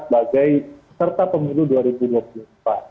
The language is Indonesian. sebagai peserta pemilu dua ribu dua puluh empat